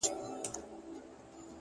لوړ همت ماتې نه مني.